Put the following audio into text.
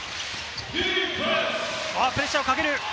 プレッシャーをかける。